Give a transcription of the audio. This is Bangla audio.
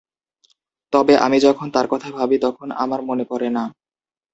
তবে আমি যখন তার কথা ভাবি তখন আমার মনে পড়ে না।